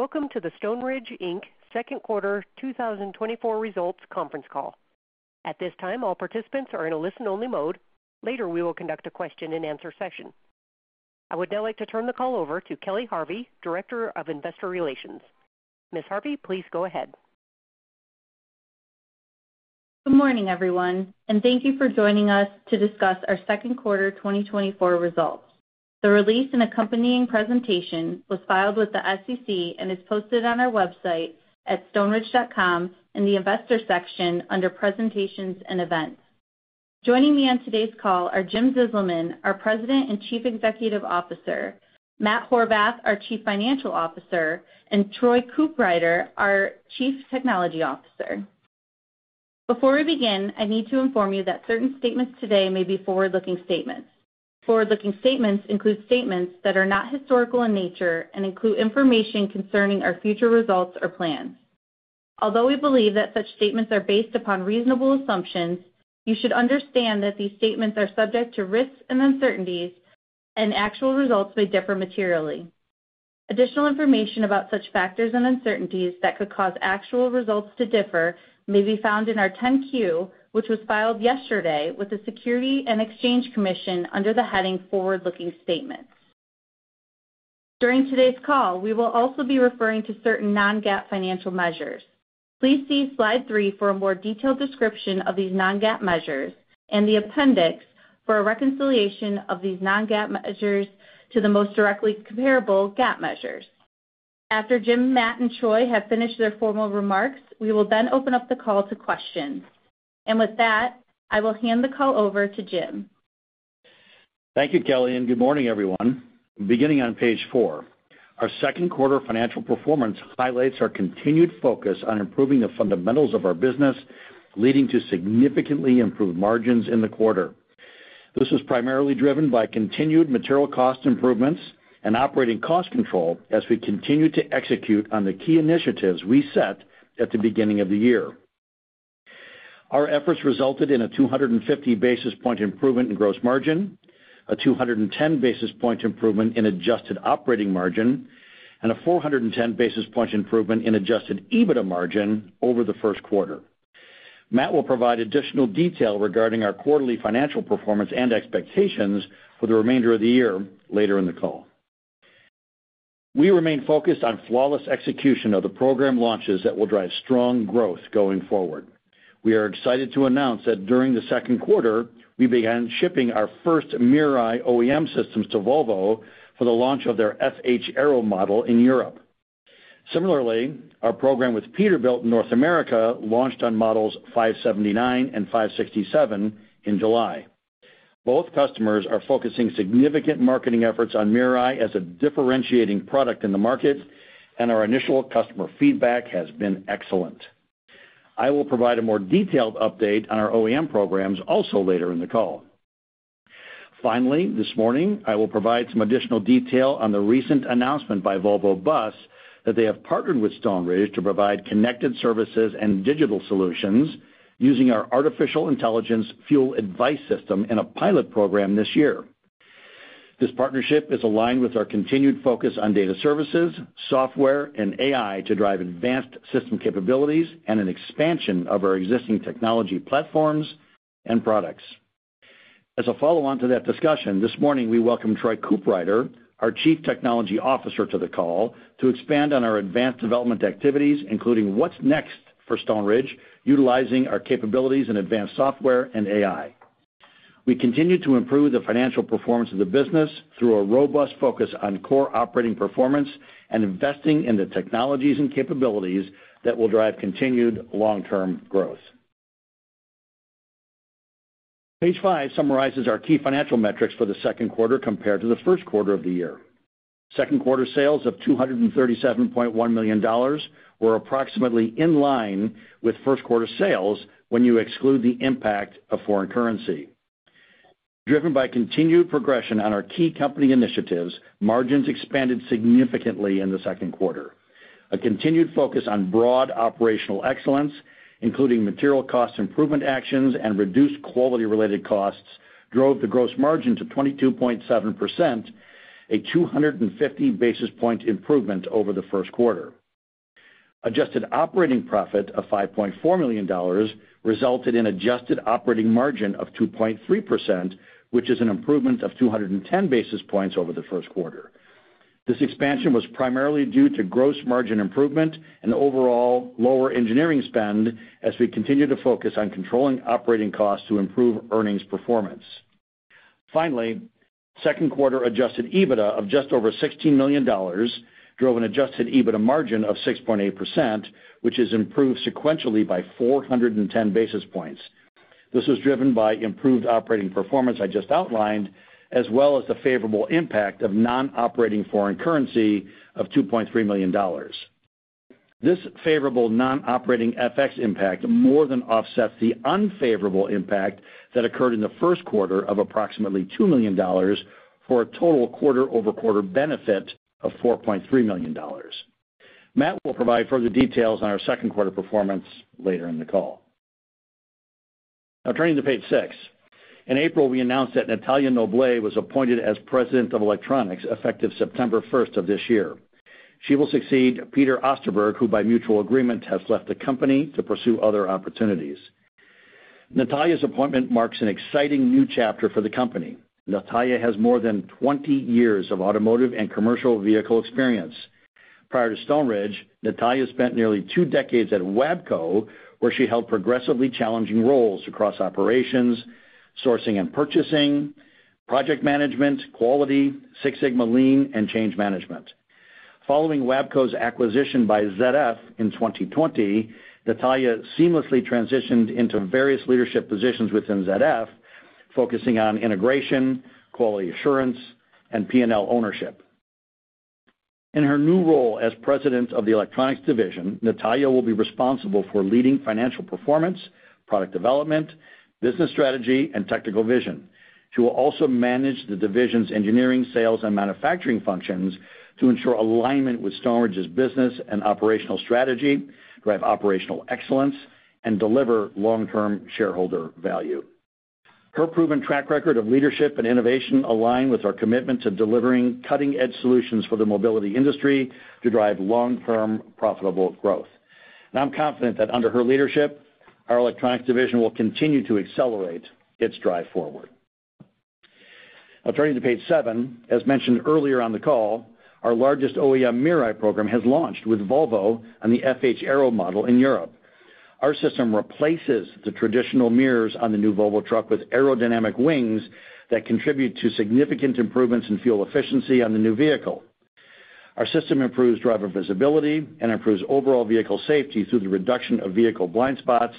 Welcome to the Stoneridge Inc. Second Quarter 2024 results conference call. At this time, all participants are in a listen-only mode. Later, we will conduct a question-and-answer session. I would now like to turn the call over to Kelly Harvey, Director of Investor Relations. Ms. Harvey, please go ahead. Good morning, everyone, and thank you for joining us to discuss our Second Quarter 2024 Results. The release and accompanying presentation was filed with the SEC and is posted on our website at stoneridge.com in the Investor section under Presentations and Events. Joining me on today's call are Jim Zizelman, our President and Chief Executive Officer; Matt Horvath, our Chief Financial Officer; and Troy Cooprider, our Chief Technology Officer. Before we begin, I need to inform you that certain statements today may be forward-looking statements. Forward-looking statements include statements that are not historical in nature and include information concerning our future results or plans. Although we believe that such statements are based upon reasonable assumptions, you should understand that these statements are subject to risks and uncertainties, and actual results may differ materially. Additional information about such factors and uncertainties that could cause actual results to differ may be found in our 10-Q, which was filed yesterday with the Securities and Exchange Commission under the heading Forward-Looking Statements. During today's call, we will also be referring to certain non-GAAP financial measures. Please see slide three for a more detailed description of these non-GAAP measures and the appendix for a reconciliation of these non-GAAP measures to the most directly comparable GAAP measures. After Jim, Matt, and Troy have finished their formal remarks, we will then open up the call to questions. And with that, I will hand the call over to Jim. Thank you, Kelly, and good morning, everyone. Beginning on page four, our second quarter financial performance highlights our continued focus on improving the fundamentals of our business, leading to significantly improved margins in the quarter. This was primarily driven by continued material cost improvements and operating cost control as we continue to execute on the key initiatives we set at the beginning of the year. Our efforts resulted in a 250 basis point improvement in gross margin, a 210 basis point improvement in adjusted operating margin, and a 410 basis point improvement in adjusted EBITDA margin over the first quarter. Matt will provide additional detail regarding our quarterly financial performance and expectations for the remainder of the year later in the call. We remain focused on flawless execution of the program launches that will drive strong growth going forward. We are excited to announce that during the second quarter, we began shipping our first MirrorEye OEM systems to Volvo for the launch of their FH Aero model in Europe. Similarly, our program with Peterbilt in North America launched on models 579 and 567 in July. Both customers are focusing significant marketing efforts on MirrorEye as a differentiating product in the market, and our initial customer feedback has been excellent. I will provide a more detailed update on our OEM programs also later in the call. Finally, this morning, I will provide some additional detail on the recent announcement by Volvo Bus that they have partnered with Stoneridge to provide connected services and digital solutions using our artificial intelligence Fuel Advice system in a pilot program this year. This partnership is aligned with our continued focus on data services, software, and AI to drive advanced system capabilities and an expansion of our existing technology platforms and products. As a follow-on to that discussion, this morning, we welcome Troy Cooprider, our Chief Technology Officer, to the call to expand on our advanced development activities, including what's next for Stoneridge, utilizing our capabilities in advanced software and AI. We continue to improve the financial performance of the business through a robust focus on core operating performance and investing in the technologies and capabilities that will drive continued long-term growth. Page five summarizes our key financial metrics for the second quarter compared to the first quarter of the year. Second quarter sales of $237.1 million were approximately in line with first quarter sales when you exclude the impact of foreign currency. Driven by continued progression on our key company initiatives, margins expanded significantly in the second quarter. A continued focus on broad operational excellence, including material cost improvement actions and reduced quality-related costs, drove the gross margin to 22.7%, a 250 basis points improvement over the first quarter. Adjusted operating profit of $5.4 million resulted in adjusted operating margin of 2.3%, which is an improvement of 210 basis points over the first quarter. This expansion was primarily due to gross margin improvement and overall lower engineering spend as we continue to focus on controlling operating costs to improve earnings performance. Finally, second quarter adjusted EBITDA of just over $16 million drove an adjusted EBITDA margin of 6.8%, which is improved sequentially by 410 basis points. This was driven by improved operating performance I just outlined, as well as the favorable impact of non-operating foreign currency of $2.3 million. This favorable non-operating FX impact more than offsets the unfavorable impact that occurred in the first quarter of approximately $2 million, for a total quarter-over-quarter benefit of $4.3 million. Matt will provide further details on our second quarter performance later in the call. Now turning to page 6. In April, we announced that Natalia Noblet was appointed as President of Electronics, effective September first of this year. She will succeed Peter Osterberg, who, by mutual agreement, has left the company to pursue other opportunities. Natalia's appointment marks an exciting new chapter for the company. Natalia has more than 20 years of automotive and commercial vehicle experience. Prior to Stoneridge, Natalia spent nearly two decades at WABCO, where she held progressively challenging roles across operations, sourcing and purchasing, project management, quality, Six Sigma Lean, and change management. Following WABCO's acquisition by ZF in 2020, Natalia seamlessly transitioned into various leadership positions within ZF, focusing on integration, quality assurance, and P&L ownership. In her new role as President of the Electronics Division, Natalia will be responsible for leading financial performance, product development, business strategy, and technical vision. She will also manage the division's engineering, sales, and manufacturing functions to ensure alignment with Stoneridge's business and operational strategy, drive operational excellence, and deliver long-term shareholder value. Her proven track record of leadership and innovation align with our commitment to delivering cutting-edge solutions for the mobility industry to drive long-term, profitable growth. I'm confident that under her leadership, our electronics division will continue to accelerate its drive forward. Now, turning to page seven. As mentioned earlier on the call, our largest OEM MirrorEye program has launched with Volvo and the FH Aero model in Europe. Our system replaces the traditional mirrors on the new Volvo truck with aerodynamic wings that contribute to significant improvements in fuel efficiency on the new vehicle. Our system improves driver visibility and improves overall vehicle safety through the reduction of vehicle blind spots,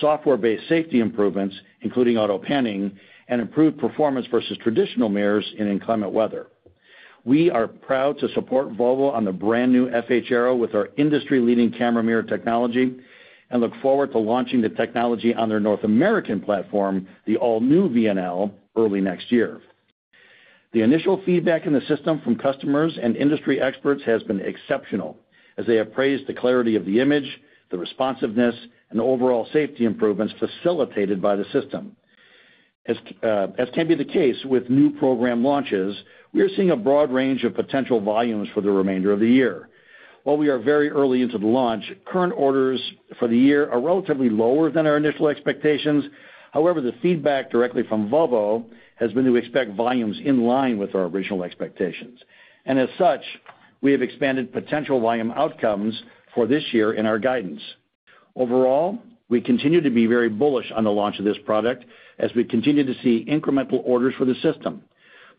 software-based safety improvements, including auto panning and improved performance versus traditional mirrors in inclement weather. We are proud to support Volvo on the brand-new FH Aero with our industry-leading camera mirror technology, and look forward to launching the technology on their North American platform, the all-new VNL, early next year. The initial feedback in the system from customers and industry experts has been exceptional, as they have praised the clarity of the image, the responsiveness, and the overall safety improvements facilitated by the system. As can be the case with new program launches, we are seeing a broad range of potential volumes for the remainder of the year. While we are very early into the launch, current orders for the year are relatively lower than our initial expectations. However, the feedback directly from Volvo has been to expect volumes in line with our original expectations, and as such, we have expanded potential volume outcomes for this year in our guidance. Overall, we continue to be very bullish on the launch of this product as we continue to see incremental orders for the system.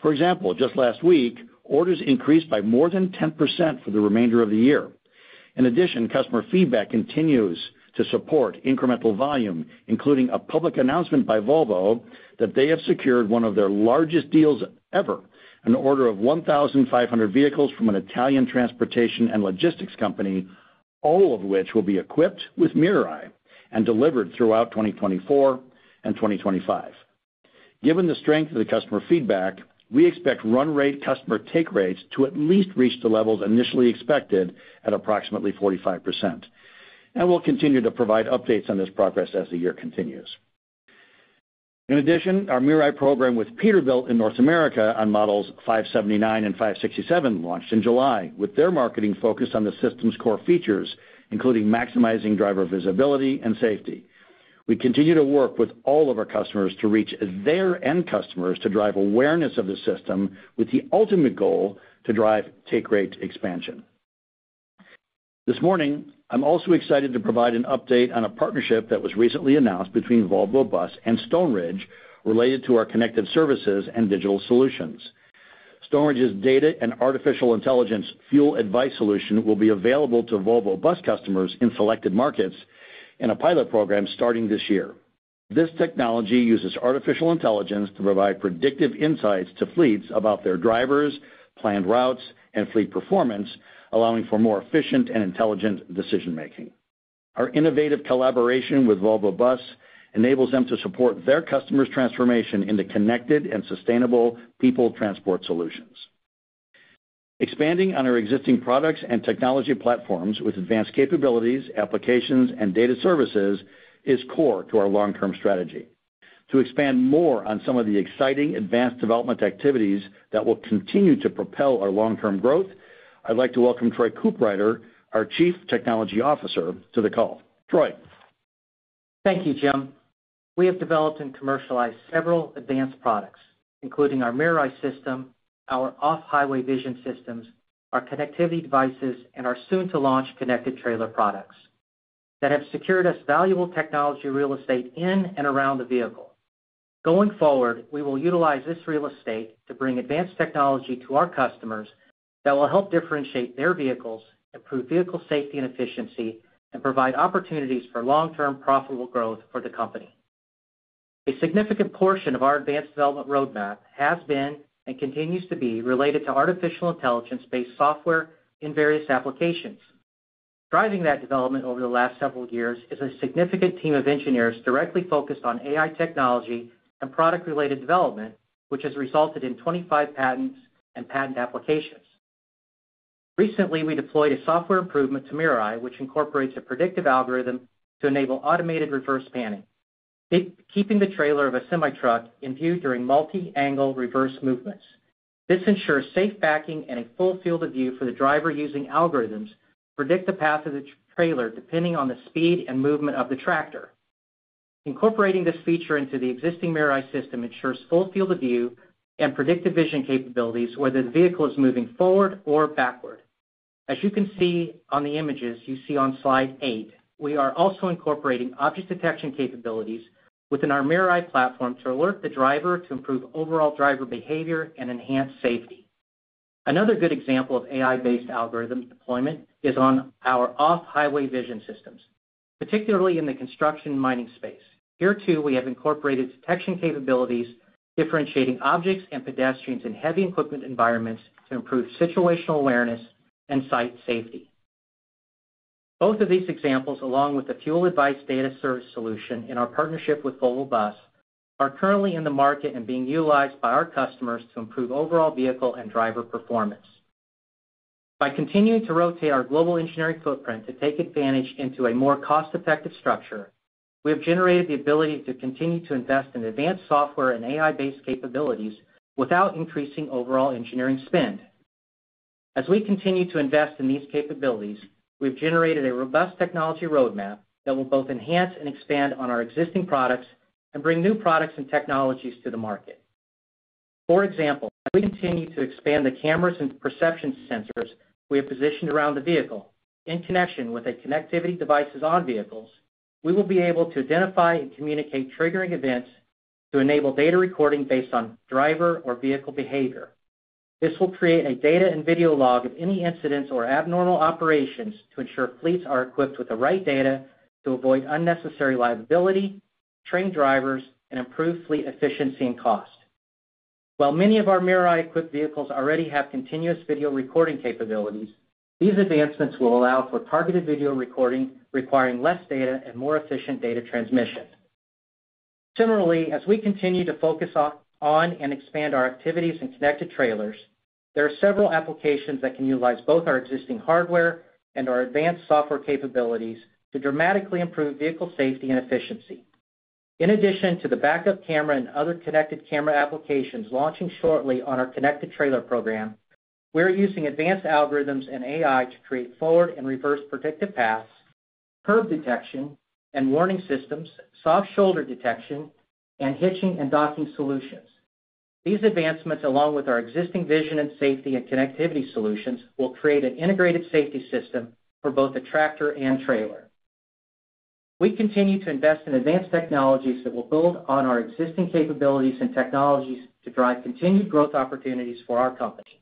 For example, just last week, orders increased by more than 10% for the remainder of the year. In addition, customer feedback continues to support incremental volume, including a public announcement by Volvo that they have secured one of their largest deals ever, an order of 1,500 vehicles from an Italian transportation and logistics company, all of which will be equipped with MirrorEye and delivered throughout 2024 and 2025. Given the strength of the customer feedback, we expect run rate customer take rates to at least reach the levels initially expected at approximately 45%. And we'll continue to provide updates on this progress as the year continues. In addition, our MirrorEye program with Peterbilt in North America on models 579 and 567, launched in July, with their marketing focused on the system's core features, including maximizing driver visibility and safety. We continue to work with all of our customers to reach their end customers to drive awareness of the system, with the ultimate goal to drive take rate expansion. This morning, I'm also excited to provide an update on a partnership that was recently announced between Volvo Bus and Stoneridge, related to our connected services and digital solutions. Stoneridge's data and artificial Fuel Advice solution will be available to Volvo Bus customers in selected markets in a pilot program starting this year. This technology uses artificial intelligence to provide predictive insights to fleets about their drivers, planned routes, and fleet performance, allowing for more efficient and intelligent decision-making. Our innovative collaboration with Volvo Bus enables them to support their customers' transformation into connected and sustainable people transport solutions. Expanding on our existing products and technology platforms with advanced capabilities, applications, and data services is core to our long-term strategy. To expand more on some of the exciting advanced development activities that will continue to propel our long-term growth, I'd like to welcome Troy Cooprider, our Chief Technology Officer, to the call. Troy? Thank you, Jim. We have developed and commercialized several advanced products, including our MirrorEye system, our off-highway vision systems, our connectivity devices, and our soon-to-launch connected trailer products that have secured us valuable technology real estate in and around the vehicle. Going forward, we will utilize this real estate to bring advanced technology to our customers that will help differentiate their vehicles, improve vehicle safety and efficiency, and provide opportunities for long-term, profitable growth for the company. A significant portion of our advanced development roadmap has been and continues to be related to artificial intelligence-based software in various applications. Driving that development over the last several years is a significant team of engineers directly focused on AI technology and product-related development, which has resulted in 25 patents and patent applications.... Recently, we deployed a software improvement to MirrorEye, which incorporates a predictive algorithm to enable automated reverse panning, keeping the trailer of a semi-truck in view during multi-angle reverse movements. This ensures safe backing and a full field of view for the driver using algorithms to predict the path of the trailer, depending on the speed and movement of the tractor. Incorporating this feature into the existing MirrorEye system ensures full field of view and predictive vision capabilities, whether the vehicle is moving forward or backward. As you can see on the images you see on Slide 8, we are also incorporating object detection capabilities within our MirrorEye platform to alert the driver to improve overall driver behavior and enhance safety. Another good example of AI-based algorithms deployment is on our off-highway vision systems, particularly in the construction and mining space. Here, too, we have incorporated detection capabilities, differentiating objects and pedestrians in heavy equipment environments to improve situational awareness and site safety. Both of these examples, along with the Fuel Advice data service solution and our partnership with Volvo Bus, are currently in the market and being utilized by our customers to improve overall vehicle and driver performance. By continuing to rotate our global engineering footprint to take advantage into a more cost-effective structure, we have generated the ability to continue to invest in advanced software and AI-based capabilities without increasing overall engineering spend. As we continue to invest in these capabilities, we've generated a robust technology roadmap that will both enhance and expand on our existing products and bring new products and technologies to the market. For example, as we continue to expand the cameras and perception sensors we have positioned around the vehicle, in connection with the connectivity devices on vehicles, we will be able to identify and communicate triggering events to enable data recording based on driver or vehicle behavior. This will create a data and video log of any incidents or abnormal operations to ensure fleets are equipped with the right data to avoid unnecessary liability, train drivers, and improve fleet efficiency and cost. While many of our MirrorEye-equipped vehicles already have continuous video recording capabilities, these advancements will allow for targeted video recording, requiring less data and more efficient data transmission. Similarly, as we continue to focus on and expand our activities in connected trailers, there are several applications that can utilize both our existing hardware and our advanced software capabilities to dramatically improve vehicle safety and efficiency. In addition to the backup camera and other connected camera applications launching shortly on our connected trailer program, we're using advanced algorithms and AI to create forward and reverse predictive paths, curb detection and warning systems, soft shoulder detection, and hitching and docking solutions. These advancements, along with our existing vision and safety and connectivity solutions, will create an integrated safety system for both the tractor and trailer. We continue to invest in advanced technologies that will build on our existing capabilities and technologies to drive continued growth opportunities for our company.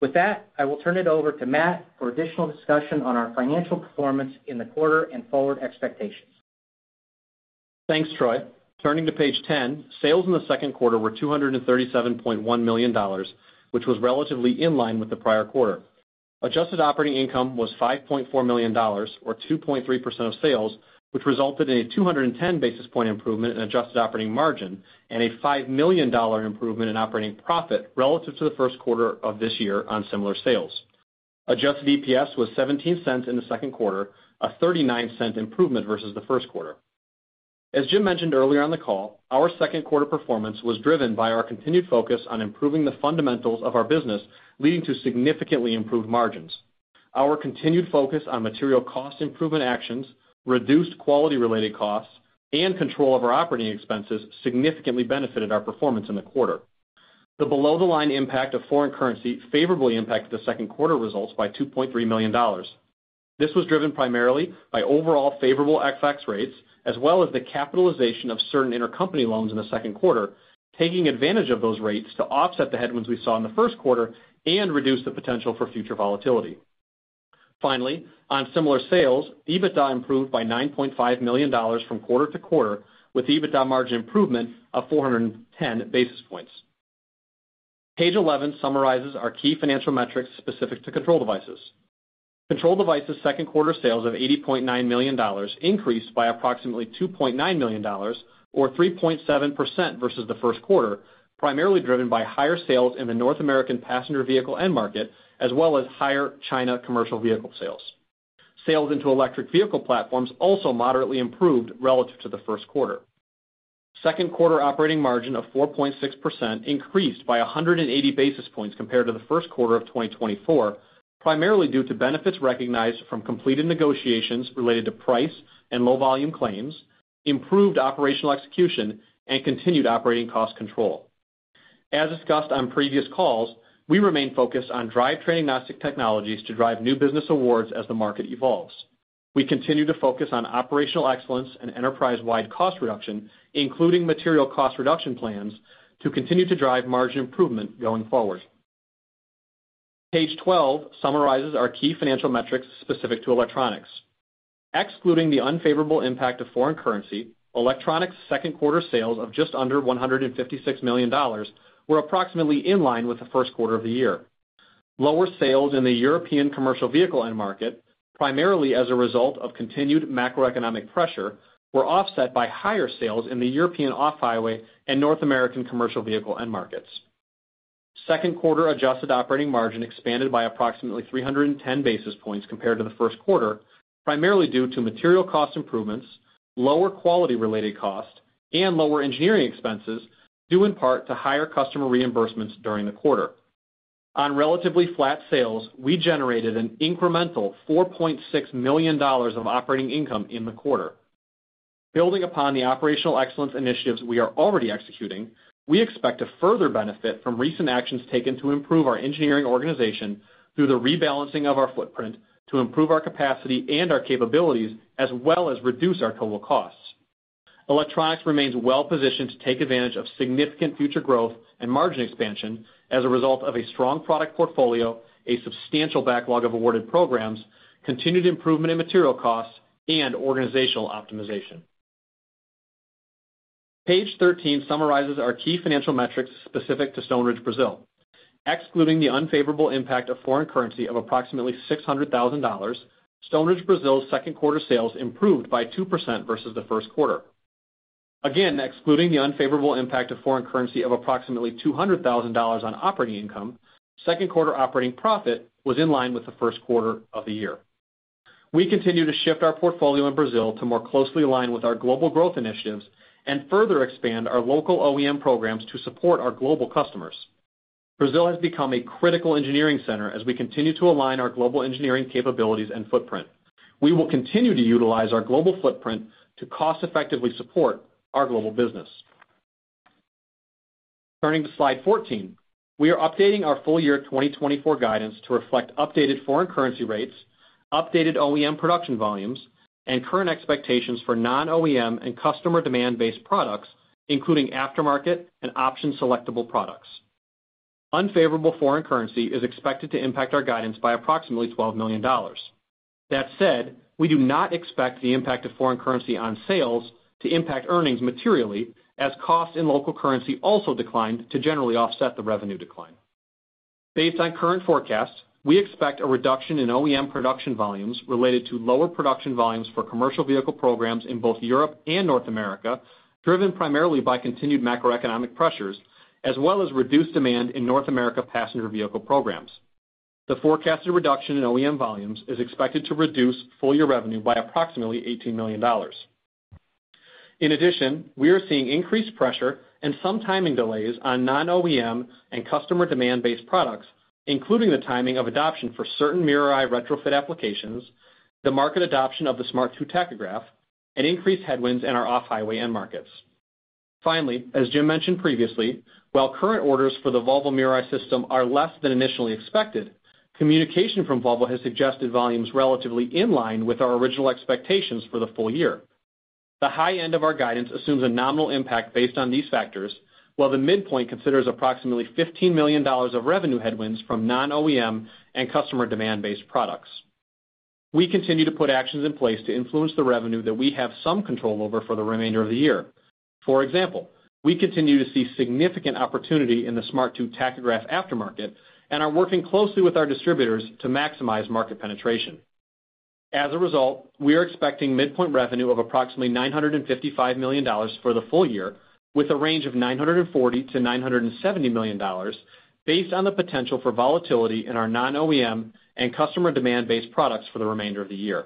With that, I will turn it over to Matt for additional discussion on our financial performance in the quarter and forward expectations. Thanks, Troy. Turning to page 10, sales in the second quarter were $237.1 million, which was relatively in line with the prior quarter. Adjusted operating income was $5.4 million or 2.3% of sales, which resulted in a 210 basis point improvement in adjusted operating margin and a $5 million improvement in operating profit relative to the first quarter of this year on similar sales. Adjusted EPS was $0.17 in the second quarter, a $0.39 improvement versus the first quarter. As Jim mentioned earlier on the call, our second quarter performance was driven by our continued focus on improving the fundamentals of our business, leading to significantly improved margins. Our continued focus on material cost improvement actions, reduced quality-related costs, and control of our operating expenses significantly benefited our performance in the quarter. The below-the-line impact of foreign currency favorably impacted the second quarter results by $2.3 million. This was driven primarily by overall favorable FX rates, as well as the capitalization of certain intercompany loans in the second quarter, taking advantage of those rates to offset the headwinds we saw in the first quarter and reduce the potential for future volatility. Finally, on similar sales, EBITDA improved by $9.5 million from quarter to quarter, with EBITDA margin improvement of 410 basis points. Page 11 summarizes our key financial metrics specific to control devices. Control devices' second quarter sales of $80.9 million increased by approximately $2.9 million, or 3.7% versus the first quarter, primarily driven by higher sales in the North American passenger vehicle end market, as well as higher China commercial vehicle sales. Sales into electric vehicle platforms also moderately improved relative to the first quarter. Second quarter operating margin of 4.6% increased by 180 basis points compared to the first quarter of 2024, primarily due to benefits recognized from completed negotiations related to price and low volume claims, improved operational execution, and continued operating cost control. As discussed on previous calls, we remain focused on drivetrain agnostic technologies to drive new business awards as the market evolves. We continue to focus on operational excellence and enterprise-wide cost reduction, including material cost reduction plans, to continue to drive margin improvement going forward. Page 12 summarizes our key financial metrics specific to electronics. Excluding the unfavorable impact of foreign currency, electronics' second quarter sales of just under $156 million were approximately in line with the first quarter of the year. Lower sales in the European commercial vehicle end market, primarily as a result of continued macroeconomic pressure, were offset by higher sales in the European off-highway and North American commercial vehicle end markets. Second quarter adjusted operating margin expanded by approximately 310 basis points compared to the first quarter, primarily due to material cost improvements, lower quality-related costs, and lower engineering expenses, due in part to higher customer reimbursements during the quarter. On relatively flat sales, we generated an incremental $4.6 million of operating income in the quarter. Building upon the operational excellence initiatives we are already executing, we expect to further benefit from recent actions taken to improve our engineering organization through the rebalancing of our footprint to improve our capacity and our capabilities, as well as reduce our total costs. Electronics remains well-positioned to take advantage of significant future growth and margin expansion as a result of a strong product portfolio, a substantial backlog of awarded programs, continued improvement in material costs, and organizational optimization. Page 13 summarizes our key financial metrics specific to Stoneridge Brazil. Excluding the unfavorable impact of foreign currency of approximately $600,000, Stoneridge Brazil's second quarter sales improved by 2% versus the first quarter. Again, excluding the unfavorable impact of foreign currency of approximately $200,000 on operating income, second quarter operating profit was in line with the first quarter of the year. We continue to shift our portfolio in Brazil to more closely align with our global growth initiatives and further expand our local OEM programs to support our global customers. Brazil has become a critical engineering center as we continue to align our global engineering capabilities and footprint. We will continue to utilize our global footprint to cost effectively support our global business. Turning to slide 14, we are updating our full year 2024 guidance to reflect updated foreign currency rates, updated OEM production volumes, and current expectations for non-OEM and customer demand-based products, including aftermarket and option selectable products. Unfavorable foreign currency is expected to impact our guidance by approximately $12 million. That said, we do not expect the impact of foreign currency on sales to impact earnings materially, as costs in local currency also declined to generally offset the revenue decline. Based on current forecasts, we expect a reduction in OEM production volumes related to lower production volumes for commercial vehicle programs in both Europe and North America, driven primarily by continued macroeconomic pressures, as well as reduced demand in North America passenger vehicle programs. The forecasted reduction in OEM volumes is expected to reduce full-year revenue by approximately $18 million. In addition, we are seeing increased pressure and some timing delays on non-OEM and customer demand-based products, including the timing of adoption for certain MirrorEye retrofit applications, the market adoption of the Smart 2 tachograph, and increased headwinds in our off-highway end markets. Finally, as Jim mentioned previously, while current orders for the Volvo MirrorEye system are less than initially expected, communication from Volvo has suggested volumes relatively in line with our original expectations for the full year. The high end of our guidance assumes a nominal impact based on these factors, while the midpoint considers approximately $15 million of revenue headwinds from non-OEM and customer demand-based products. We continue to put actions in place to influence the revenue that we have some control over for the remainder of the year. For example, we continue to see significant opportunity in the Smart 2 tachograph aftermarket and are working closely with our distributors to maximize market penetration. As a result, we are expecting midpoint revenue of approximately $955 million for the full year, with a range of $940 million-$970 million, based on the potential for volatility in our non-OEM and customer demand-based products for the remainder of the year.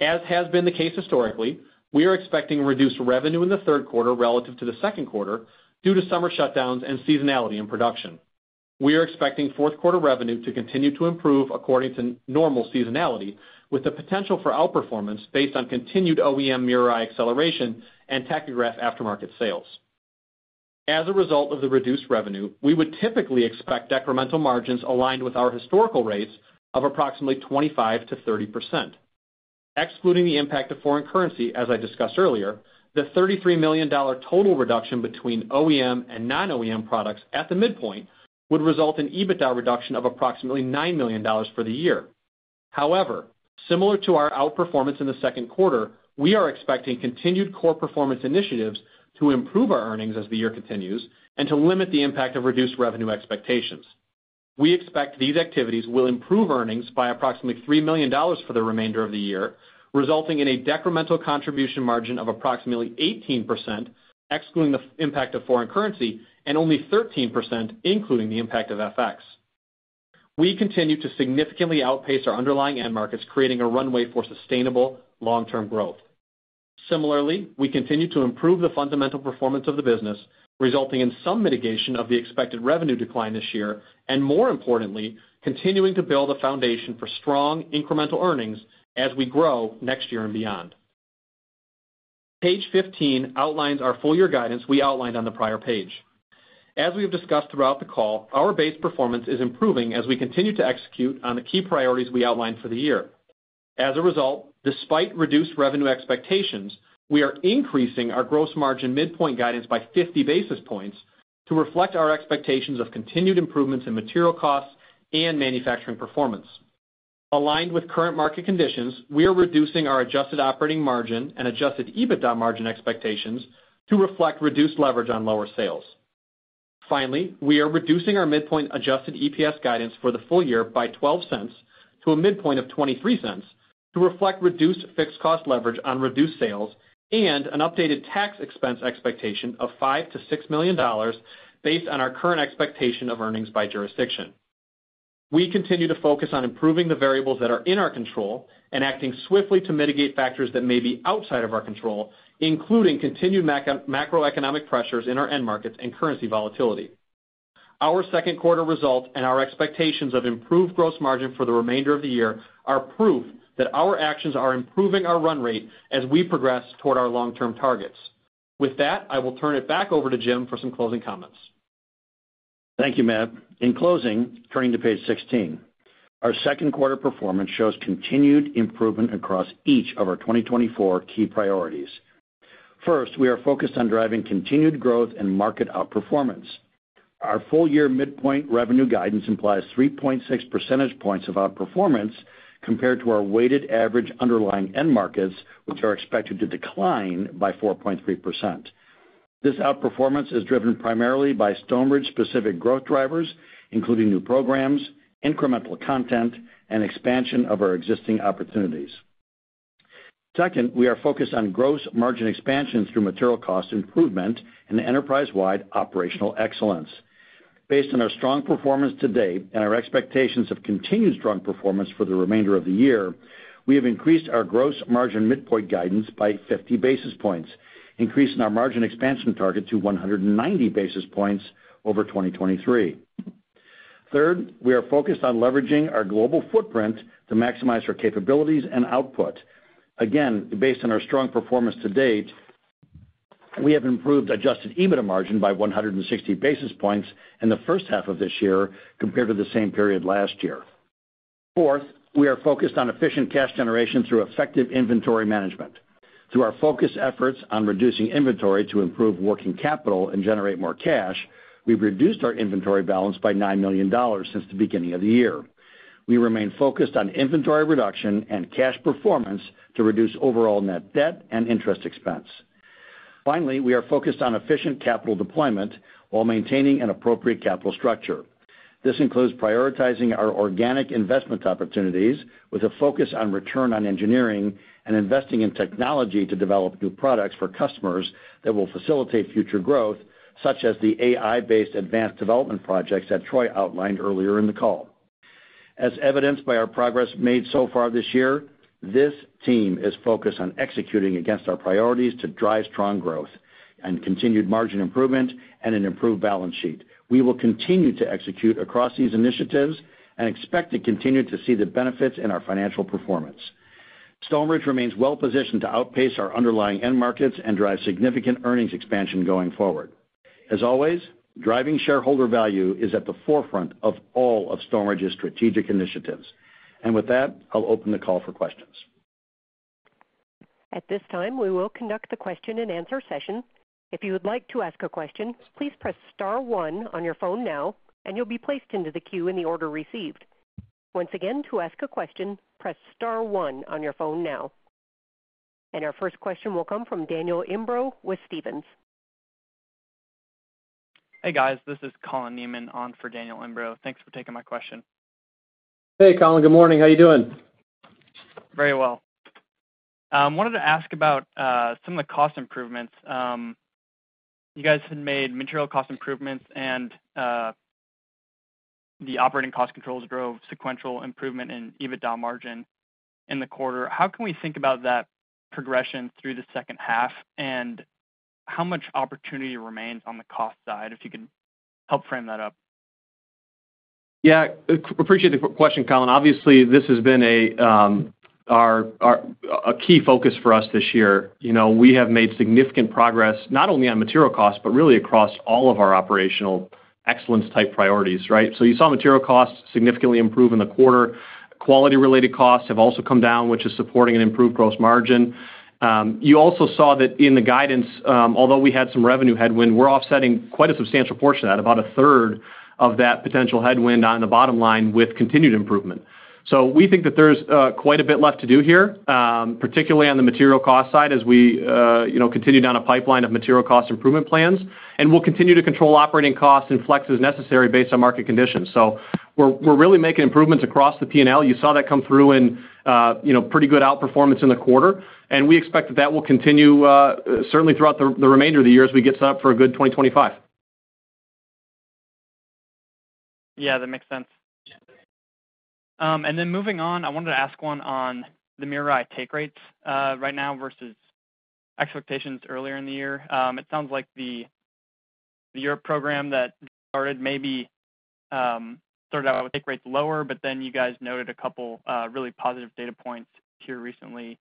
As has been the case historically, we are expecting reduced revenue in the third quarter relative to the second quarter due to summer shutdowns and seasonality in production. We are expecting fourth quarter revenue to continue to improve according to normal seasonality, with the potential for outperformance based on continued OEM MirrorEye acceleration and tachograph aftermarket sales. As a result of the reduced revenue, we would typically expect decremental margins aligned with our historical rates of approximately 25%-30%. Excluding the impact of foreign currency, as I discussed earlier, the $33 million total reduction between OEM and non-OEM products at the midpoint would result in EBITDA reduction of approximately $9 million for the year. However, similar to our outperformance in the second quarter, we are expecting continued core performance initiatives to improve our earnings as the year continues, and to limit the impact of reduced revenue expectations. We expect these activities will improve earnings by approximately $3 million for the remainder of the year, resulting in a decremental contribution margin of approximately 18%, excluding the impact of foreign currency, and only 13%, including the impact of FX. We continue to significantly outpace our underlying end markets, creating a runway for sustainable long-term growth. Similarly, we continue to improve the fundamental performance of the business, resulting in some mitigation of the expected revenue decline this year, and more importantly, continuing to build a foundation for strong incremental earnings as we grow next year and beyond. Page 15 outlines our full year guidance we outlined on the prior page. As we have discussed throughout the call, our base performance is improving as we continue to execute on the key priorities we outlined for the year. As a result, despite reduced revenue expectations, we are increasing our gross margin midpoint guidance by 50 basis points to reflect our expectations of continued improvements in material costs and manufacturing performance. Aligned with current market conditions, we are reducing our adjusted operating margin and adjusted EBITDA margin expectations to reflect reduced leverage on lower sales. Finally, we are reducing our midpoint adjusted EPS guidance for the full year by $0.12 to a midpoint of $0.23, to reflect reduced fixed cost leverage on reduced sales and an updated tax expense expectation of $5 million-$6 million based on our current expectation of earnings by jurisdiction. We continue to focus on improving the variables that are in our control and acting swiftly to mitigate factors that may be outside of our control, including continued macroeconomic pressures in our end markets and currency volatility. Our second quarter results and our expectations of improved gross margin for the remainder of the year are proof that our actions are improving our run rate as we progress toward our long-term targets. With that, I will turn it back over to Jim for some closing comments. Thank you, Matt. In closing, turning to page 16, our second quarter performance shows continued improvement across each of our 2024 key priorities. First, we are focused on driving continued growth and market outperformance. Our full-year midpoint revenue guidance implies 3.6 percentage points of outperformance compared to our weighted average underlying end markets, which are expected to decline by 4.3%. This outperformance is driven primarily by Stoneridge specific growth drivers, including new programs, incremental content, and expansion of our existing opportunities. Second, we are focused on gross margin expansion through material cost improvement and enterprise-wide operational excellence. Based on our strong performance to date and our expectations of continued strong performance for the remainder of the year, we have increased our gross margin midpoint guidance by 50 basis points, increasing our margin expansion target to 190 basis points over 2023. Third, we are focused on leveraging our global footprint to maximize our capabilities and output. Again, based on our strong performance to date, we have improved adjusted EBITDA margin by 160 basis points in the first half of this year compared to the same period last year. Fourth, we are focused on efficient cash generation through effective inventory management. Through our focused efforts on reducing inventory to improve working capital and generate more cash, we've reduced our inventory balance by $9 million since the beginning of the year. We remain focused on inventory reduction and cash performance to reduce overall net debt and interest expense. Finally, we are focused on efficient capital deployment while maintaining an appropriate capital structure. This includes prioritizing our organic investment opportunities with a focus on return on engineering and investing in technology to develop new products for customers that will facilitate future growth, such as the AI-based advanced development projects that Troy outlined earlier in the call. As evidenced by our progress made so far this year, this team is focused on executing against our priorities to drive strong growth and continued margin improvement and an improved balance sheet. We will continue to execute across these initiatives and expect to continue to see the benefits in our financial performance. Stoneridge remains well positioned to outpace our underlying end markets and drive significant earnings expansion going forward. As always, driving shareholder value is at the forefront of all of Stoneridge's strategic initiatives. With that, I'll open the call for questions. At this time, we will conduct the question-and-answer session. If you would like to ask a question, please press star one on your phone now, and you'll be placed into the queue in the order received. Once again, to ask a question, press star one on your phone now. Our first question will come from Daniel Imbro with Stephens. Hey, guys, this is Collin Nieman on for Daniel Imbro. Thanks for taking my question. Hey, Collin. Good morning. How are you doing? Very well. Wanted to ask about some of the cost improvements. You guys had made material cost improvements and the operating cost controls drove sequential improvement in EBITDA margin in the quarter. How can we think about that progression through the second half, and how much opportunity remains on the cost side? If you can help frame that up. Yeah, appreciate the question, Collin. Obviously, this has been a key focus for us this year. You know, we have made significant progress not only on material costs, but really across all of our operational excellence-type priorities, right? So you saw material costs significantly improve in the quarter. Quality-related costs have also come down, which is supporting an improved gross margin. You also saw that in the guidance, although we had some revenue headwind, we're offsetting quite a substantial portion of that, about a third of that potential headwind on the bottom line with continued improvement. So we think that there's quite a bit left to do here, particularly on the material cost side, as we you know, continue down a pipeline of material cost improvement plans. We'll continue to control operating costs and flex as necessary based on market conditions. We're really making improvements across the P&L. You saw that come through in, you know, pretty good outperformance in the quarter, and we expect that will continue certainly throughout the remainder of the year as we get set up for a good 2025. Yeah, that makes sense. And then moving on, I wanted to ask one on the MirrorEye take rates right now versus expectations earlier in the year. It sounds like the Europe program that maybe started out with take rates lower, but then you guys noted a couple really positive data points here recently.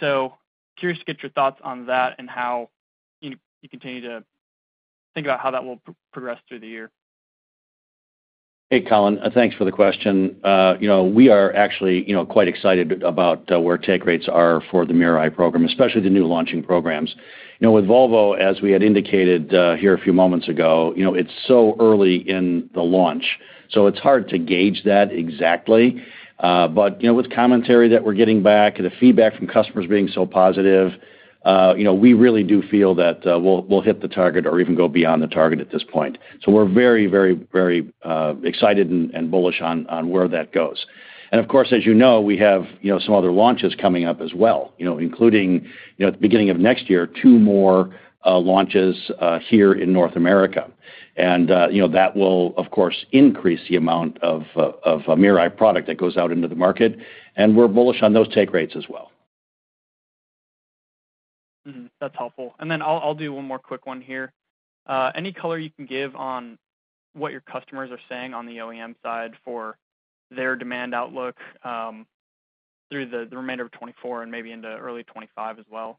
So curious to get your thoughts on that and how you continue to think about how that will progress through the year. Hey, Collin, thanks for the question. You know, we are actually, you know, quite excited about where take rates are for the MirrorEye program, especially the new launching programs. You know, with Volvo, as we had indicated, here a few moments ago, you know, it's so early in the launch.... So it's hard to gauge that exactly. But, you know, with commentary that we're getting back and the feedback from customers being so positive, you know, we really do feel that we'll, we'll hit the target or even go beyond the target at this point. So we're very, very, very excited and, and bullish on where that goes. Of course, as you know, we have, you know, some other launches coming up as well, you know, including, you know, at the beginning of next year, two more launches here in North America. You know, that will, of course, increase the amount of a MirrorEye product that goes out into the market, and we're bullish on those take rates as well. Mm-hmm. That's helpful. And then I'll do one more quick one here. Any color you can give on what your customers are saying on the OEM side for their demand outlook through the remainder of 2024 and maybe into early 2025 as well?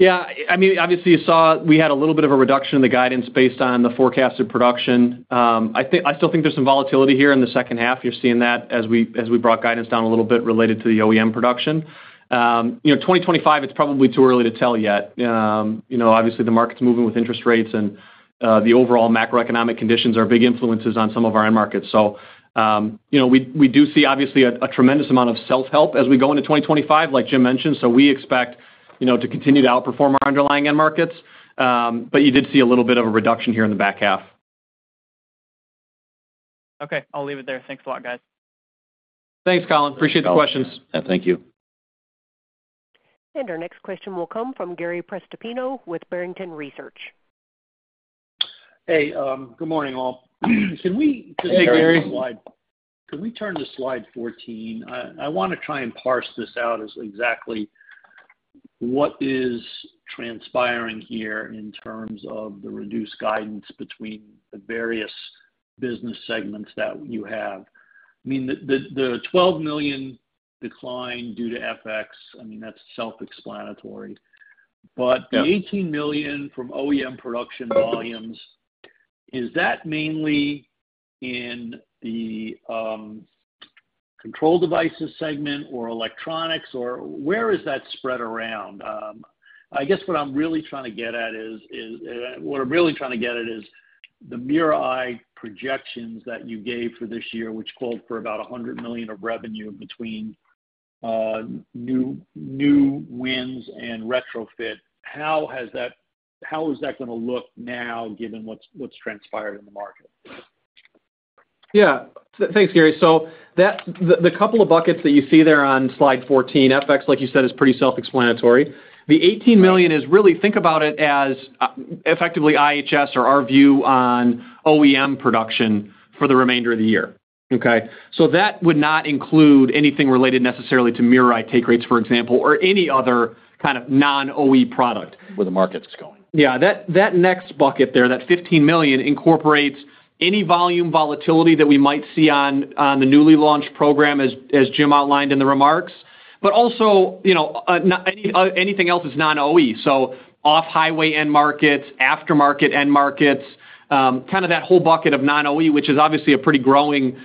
Yeah, I mean, obviously, you saw we had a little bit of a reduction in the guidance based on the forecasted production. I still think there's some volatility here in the second half. You're seeing that as we brought guidance down a little bit related to the OEM production. You know, 2025, it's probably too early to tell yet. You know, obviously, the market's moving with interest rates and the overall macroeconomic conditions are big influences on some of our end markets. So, you know, we do see obviously a tremendous amount of self-help as we go into 2025, like Jim mentioned, so we expect, you know, to continue to outperform our underlying end markets. But you did see a little bit of a reduction here in the back half. Okay, I'll leave it there. Thanks a lot, guys. Thanks, Collin. Appreciate the questions. Yeah, thank you. Our next question will come from Gary Prestopino with Barrington Research. Hey, good morning, all. Can we- Hey, Gary. Can we turn to slide 14? I wanna try and parse this out as exactly what is transpiring here in terms of the reduced guidance between the various business segments that you have. I mean, the $12 million decline due to FX, I mean, that's self-explanatory. But- Yeah... the $18 million from OEM production volumes, is that mainly in the control devices segment or electronics, or where is that spread around? I guess what I'm really trying to get at is the MirrorEye projections that you gave for this year, which called for about $100 million of revenue between new wins and retrofit. How has that. How is that gonna look now, given what's transpired in the market? Yeah. Thanks, Gary. So that, the couple of buckets that you see there on slide 14, FX, like you said, is pretty self-explanatory. The $18 million is really, think about it as, effectively IHS or our view on OEM production for the remainder of the year, okay? So that would not include anything related necessarily to MirrorEye take rates, for example, or any other kind of non-OE product. Where the market's going. Yeah, that next bucket there, that $15 million, incorporates any volume volatility that we might see on the newly launched program, as Jim outlined in the remarks. But also, you know, anything else that's non-OE, so off-highway end markets, aftermarket end markets, kind of that whole bucket of non-OE, which is obviously a pretty growing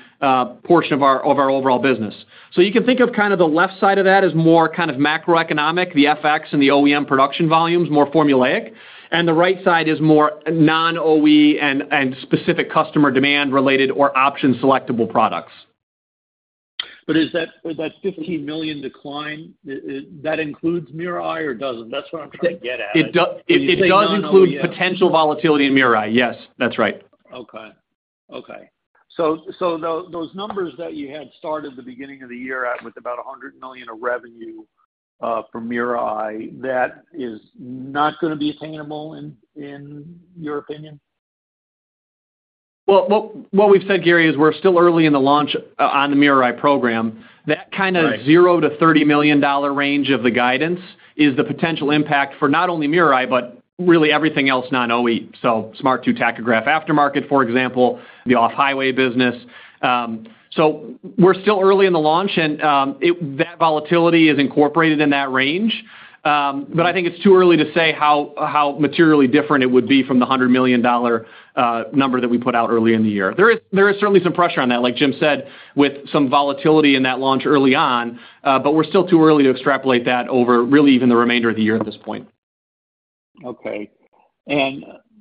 portion of our overall business. So you can think of kind of the left side of that as more kind of macroeconomic, the FX and the OEM production volumes, more formulaic, and the right side is more non-OE and specific customer demand related or option selectable products. But is that $15 million decline that includes MirrorEye or doesn't? That's what I'm trying to get at. It does include. Non-OE-... potential volatility in MirrorEye. Yes, that's right. Okay. Okay. So, so those numbers that you had started at the beginning of the year at, with about $100 million of revenue from MirrorEye, that is not gonna be attainable, in, in your opinion? Well, what we've said, Gary, is we're still early in the launch on the MirrorEye program. Right. That kind of $0-$30 million range of the guidance is the potential impact for not only MirrorEye, but really everything else non-OE. So Smart 2 tachograph aftermarket, for example, the off-highway business. We're still early in the launch and that volatility is incorporated in that range. But I think it's too early to say how materially different it would be from the $100 million number that we put out early in the year. There is certainly some pressure on that, like Jim said, with some volatility in that launch early on, but we're still too early to extrapolate that over really even the remainder of the year at this point. Okay.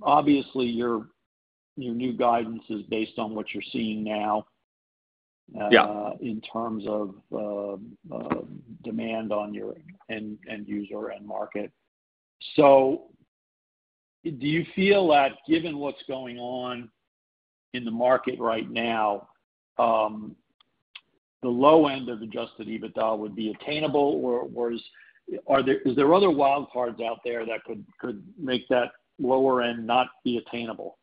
Obviously, your, your new guidance is based on what you're seeing now- Yeah... in terms of demand on your end, end user, end market. So do you feel that given what's going on in the market right now, the low end of adjusted EBITDA would be attainable, or is there other wild cards out there that could make that lower end not be attainable?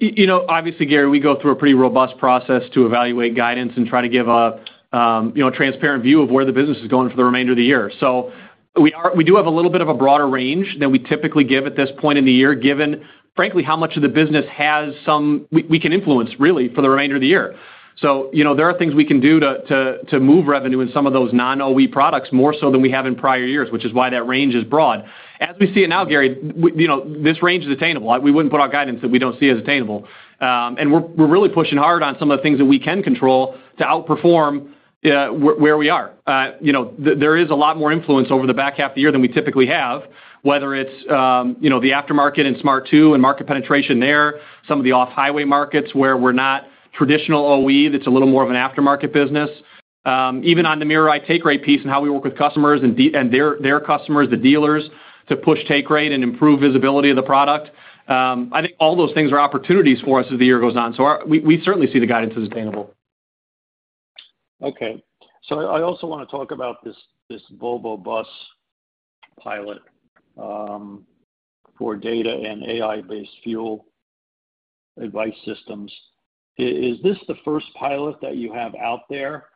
You know, obviously, Gary, we go through a pretty robust process to evaluate guidance and try to give a, you know, transparent view of where the business is going for the remainder of the year. So we are—we do have a little bit of a broader range than we typically give at this point in the year, given, frankly, how much of the business has some... we can influence, really, for the remainder of the year. So, you know, there are things we can do to move revenue in some of those non-OE products, more so than we have in prior years, which is why that range is broad. As we see it now, Gary, you know, this range is attainable. We wouldn't put our guidance that we don't see as attainable. We're really pushing hard on some of the things that we can control to outperform. Yeah, where we are. You know, there is a lot more influence over the back half of the year than we typically have, whether it's you know, the aftermarket and Smart 2 and market penetration there, some of the off-highway markets where we're not traditional OE, that's a little more of an aftermarket business. Even on the MirrorEye take rate piece and how we work with customers and their customers, the dealers, to push take rate and improve visibility of the product. I think all those things are opportunities for us as the year goes on. So we certainly see the guidance as attainable. Okay, so I also want to talk about this, this Volvo Bus pilot, for data and AI-based Fuel Advice systems. Is, is this the first pilot that you have out there,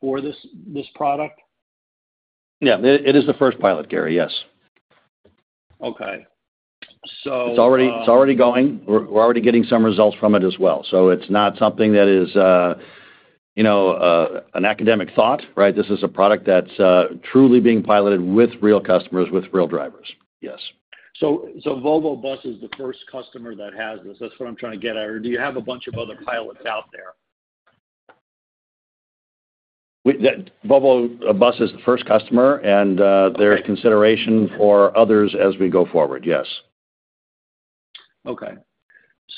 for this, this product? Yeah, it is the first pilot, Gary, yes. Okay. So, It's already going. We're already getting some results from it as well, so it's not something that is, you know, an academic thought, right? This is a product that's truly being piloted with real customers, with real drivers. Yes. So, Volvo Bus is the first customer that has this. That's what I'm trying to get at. Or do you have a bunch of other pilots out there? That Volvo Bus is the first customer, and there is consideration for others as we go forward, yes. Okay.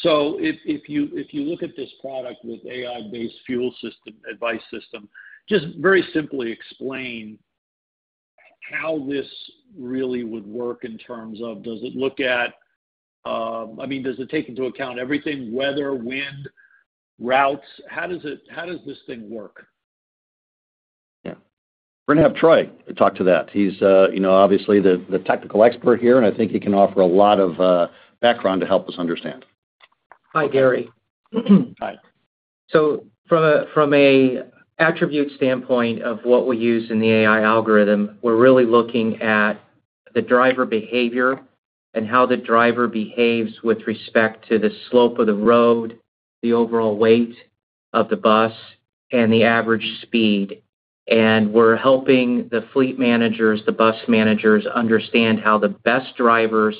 So if you look at this product with AI-based Fuel Advice system, just very simply explain how this really would work in terms of does it look at... I mean, does it take into account everything, weather, wind, routes? How does it? How does this thing work? Yeah. We're gonna have Troy talk to that. He's, you know, obviously the technical expert here, and I think he can offer a lot of background to help us understand. Hi, Gary. Hi. So from an attribute standpoint of what we use in the AI algorithm, we're really looking at the driver behavior and how the driver behaves with respect to the slope of the road, the overall weight of the bus, and the average speed. And we're helping the fleet managers, the bus managers, understand how the best drivers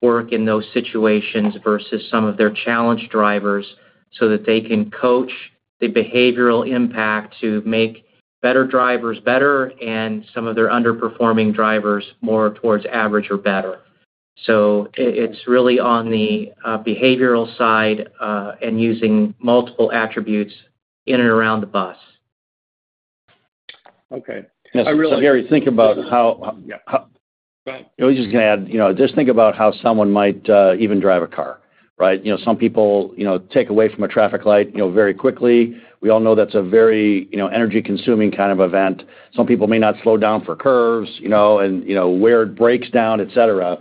work in those situations versus some of their challenged drivers, so that they can coach the behavioral impact to make better drivers better and some of their underperforming drivers more towards average or better. So it's really on the behavioral side and using multiple attributes in and around the bus. Okay. I really- So, Gary, think about how- Yeah, go ahead. I was just gonna add, you know, just think about how someone might even drive a car, right? You know, some people, you know, take away from a traffic light, you know, very quickly. We all know that's a very, you know, energy-consuming kind of event. Some people may not slow down for curves, you know, and, you know, wear brakes down, et cetera.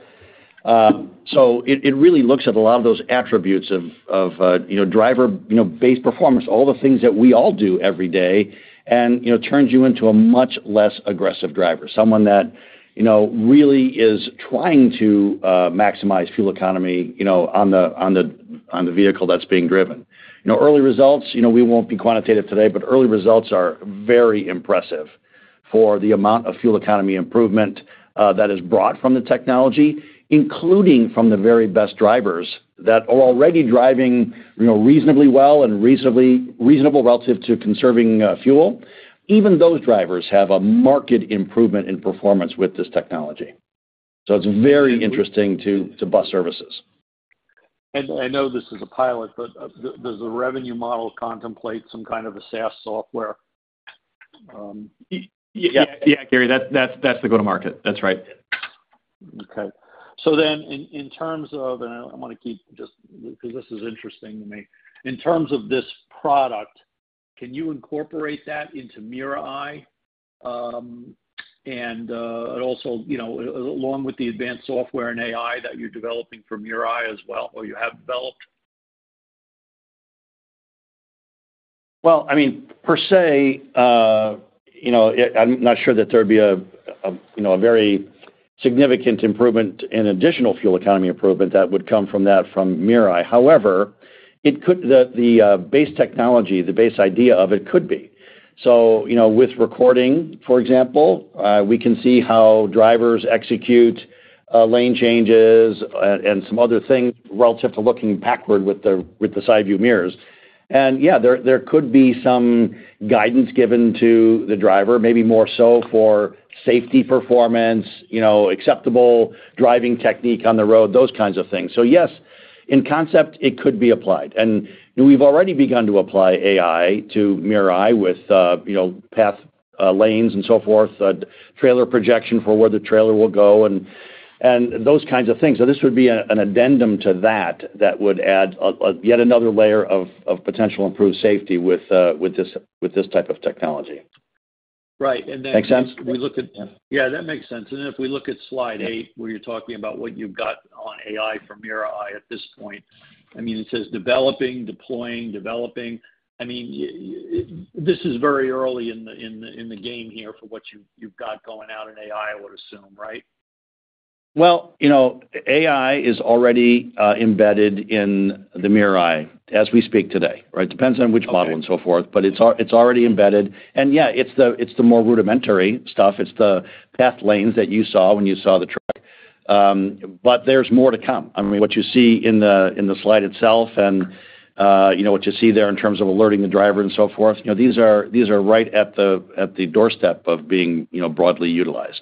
So it really looks at a lot of those attributes of driver based performance, all the things that we all do every day and, you know, turns you into a much less aggressive driver. Someone that, you know, really is trying to maximize fuel economy, you know, on the, on the, on the vehicle that's being driven. You know, early results, you know, we won't be quantitative today, but early results are very impressive for the amount of fuel economy improvement that is brought from the technology, including from the very best drivers that are already driving, you know, reasonably well and reasonable relative to conserving fuel. Even those drivers have a marked improvement in performance with this technology. So it's very interesting to bus services. I know this is a pilot, but, does the revenue model contemplate some kind of a SaaS software? Yeah, yeah, Gary, that's the go-to-market. That's right. Okay. So then in terms of... And I want to keep just, because this is interesting to me. In terms of this product, can you incorporate that into MirrorEye, and also, you know, along with the advanced software and AI that you're developing for MirrorEye as well, or you have developed? Well, I mean, per se, you know, I'm not sure that there'd be a, you know, a very significant improvement in additional fuel economy improvement that would come from that, from MirrorEye. However, it could—the, the base technology, the base idea of it could be. So, you know, with recording, for example, we can see how drivers execute, lane changes and, and some other things relative to looking backward with the, with the side view mirrors. And, yeah, there, there could be some guidance given to the driver, maybe more so for safety performance, you know, acceptable driving technique on the road, those kinds of things. So yes, in concept, it could be applied. We've already begun to apply AI to MirrorEye with, you know, path lanes and so forth, trailer projection for where the trailer will go and those kinds of things. This would be an addendum to that, that would add yet another layer of potential improved safety with this type of technology. Right. And then- Make sense? We look at... Yeah, that makes sense. And then if we look at slide eight, where you're talking about what you've got on AI for MirrorEye at this point, I mean, it says, "Developing, deploying, developing." I mean, this is very early in the game here for what you've got going out in AI, I would assume, right? Well, you know, AI is already embedded in the MirrorEye as we speak today, right? Depends on which model and so forth, but it's already embedded. And yeah, it's the, it's the more rudimentary stuff. It's the path lanes that you saw when you saw the truck. But there's more to come. I mean, what you see in the slide itself and, you know, what you see there in terms of alerting the driver and so forth, you know, these are right at the doorstep of being broadly utilized.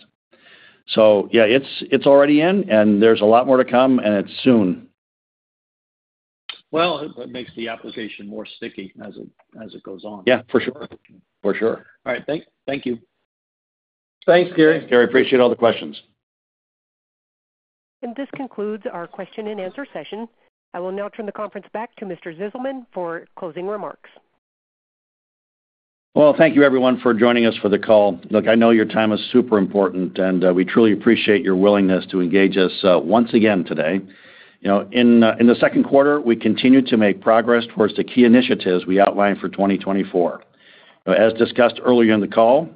So yeah, it's already in, and there's a lot more to come, and it's soon. Well, it makes the application more sticky as it, as it goes on. Yeah, for sure. For sure. All right. Thank you. Thanks, Gary. Gary, appreciate all the questions. This concludes our question and answer session. I will now turn the conference back to Mr. Zizelman for closing remarks. Well, thank you, everyone, for joining us for the call. Look, I know your time is super important, and we truly appreciate your willingness to engage us once again today. You know, in the second quarter, we continued to make progress towards the key initiatives we outlined for 2024. As discussed earlier in the call,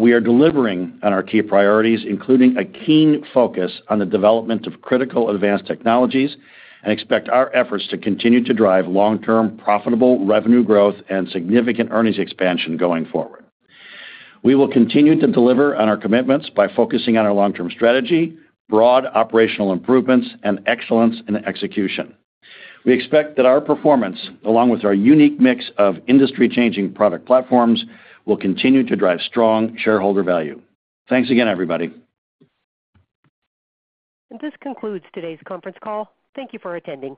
we are delivering on our key priorities, including a keen focus on the development of critical advanced technologies, and expect our efforts to continue to drive long-term, profitable revenue growth and significant earnings expansion going forward. We will continue to deliver on our commitments by focusing on our long-term strategy, broad operational improvements, and excellence in execution. We expect that our performance, along with our unique mix of industry-changing product platforms, will continue to drive strong shareholder value. Thanks again, everybody. This concludes today's conference call. Thank you for attending.